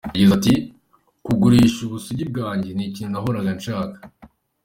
Yagize ati “ Kugurisha ubusugi bwanjye ni ikintu nahoraga nshaka.